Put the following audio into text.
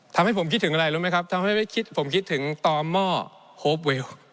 ทำให้ผมคิดถึงอะไรรู้ไหมครับทำให้ผมคิดถึงต่อหม้อโฮปวิว